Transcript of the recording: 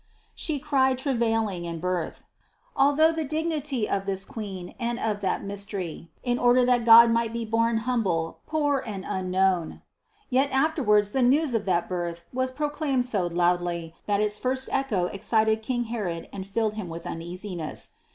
101. "She cried travailing in birth." Although the dignity of this Queen and of that mystery was to be hid den in the beginning in order that God might be born THE CONCEPTION 99 humble, poor and unknown : yet afterwards the news of that Birth was proclaimed so loudly, that its first echo excited King Herod and filled him with uneasiness.